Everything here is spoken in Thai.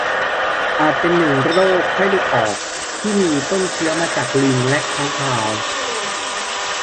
จัดเป็นหนึ่งในโรคไข้เลือดออกที่มีต้นเชื้อมาจากลิงและค้างคาว